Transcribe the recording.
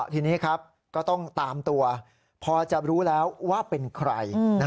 ทีนี้ครับก็ต้องตามตัวพอจะรู้แล้วว่าเป็นใคร